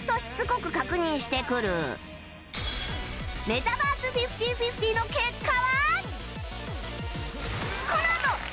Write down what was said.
メタバース ５０：５０ の結果は？